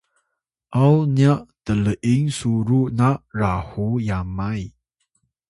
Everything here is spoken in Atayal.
aw niya tl’ing suruw na rahu yamay